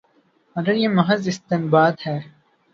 اگر یہ محض استنباط ہے۔